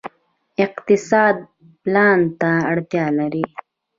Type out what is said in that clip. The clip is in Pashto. اقتصاد پلان ته اړتیا لري